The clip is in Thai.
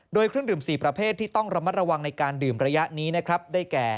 โดยเครื่องดื่ม๔ประเภทที่ต้องระมัดระวังในการดื่มระยะนี้นะครับได้แก่